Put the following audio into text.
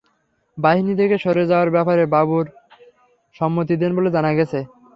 বাহিনী থেকে সরে যাওয়ার ব্যাপারে বাবুল সম্মতি দেন বলে জানা গেছে।